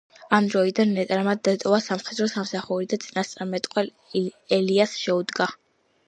ამ დროიდან ნეტარმა დატოვა სამხედრო სამსახური და წინასწარმეტყველ ელიას შეუდგა.